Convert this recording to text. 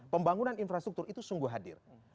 pembangunan infrastruktur itu sungguh hadir